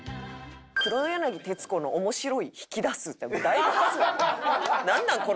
「黒柳徹子の“面白い”引き出す」ってだいぶ恥ずい。